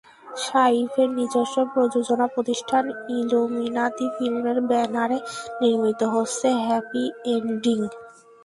সাইফের নিজস্ব প্রযোজনা প্রতিষ্ঠান ইলুমিনাতি ফিল্মসের ব্যানারে নির্মিত হচ্ছে হ্যাপি এন্ডিং।